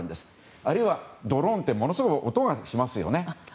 あるいは、ドローンってものすごく音がしますよね。